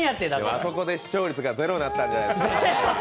あそこで視聴率がゼロになったんじゃないですか。